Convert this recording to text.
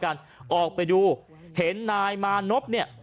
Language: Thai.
แต่ว่ามีการทำร้ายกันออกไปดูเห็นนายมานบเนี่ย